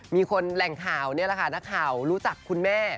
มีคนแหล่งข่าวนี่แหละค่ะนักข่าวรู้จักคุณแม่